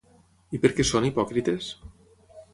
I per què són hipòcrites?